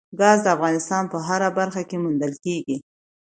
ګاز د افغانستان په هره برخه کې موندل کېږي.